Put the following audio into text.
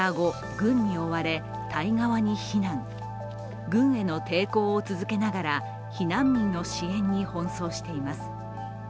軍への抵抗を続けながら避難民の支援に奔走しています。